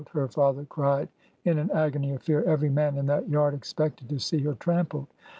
her father cried in an agony of fear. Every man in that yard expected to see her trampled.